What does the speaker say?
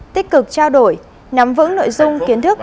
tích cực trao đổi nắm vững nội dung kiến thức